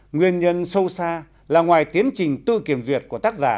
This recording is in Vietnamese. nguyên nhân sâu xa là ngoài tiến trình tự kiểm duyệt của tác giả